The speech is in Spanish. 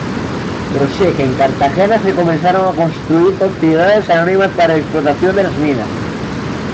En Cartagena se comenzaron a constituir sociedades anónimas para la explotación de las minas.